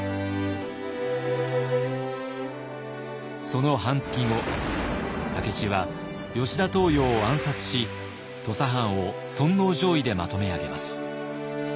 その半月後武市は吉田東洋を暗殺し土佐藩を尊皇攘夷でまとめ上げます。